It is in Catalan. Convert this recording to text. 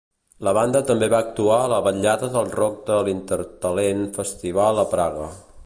La banda també va actuar a la vetllada del rock de l'Intertalent Festival a Praga.